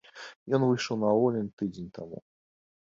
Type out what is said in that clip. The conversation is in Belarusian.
Ён выйшаў на волю тыдзень таму.